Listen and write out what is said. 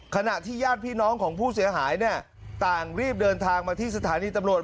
ขณะที่ญาติพี่น้องของผู้เสียหายเนี่ยต่างรีบเดินทางมาที่สถานีตำรวจ